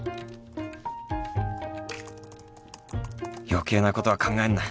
余計なことは考えんな。